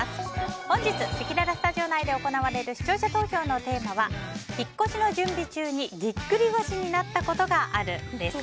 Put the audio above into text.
本日せきららスタジオ内で行われる視聴者投票のテーマは引っ越しの準備中にぎっくり腰になったことがあるです。